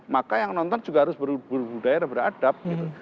karena penonton juga harus berbudaya dan beradab gitu